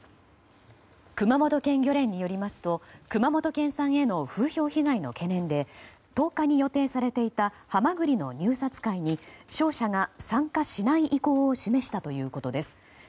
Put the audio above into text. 熊本県漁連によりますと熊本県産への風評被害の懸念で１０日予定されていたハマグリの入札会に商社が参加しない意向を示したということです。